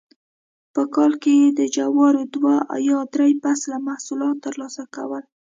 په کال کې یې د جوارو دوه یا درې فصله محصولات ترلاسه کول